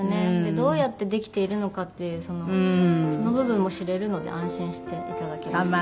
どうやってできているのかってそのその部分も知れるので安心していただけますね。